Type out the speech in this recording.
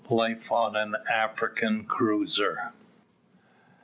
LIFE ON AN AFRICAN CRUISER.